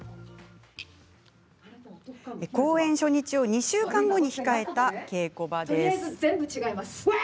公演初日を２週間後に控えた稽古現場です。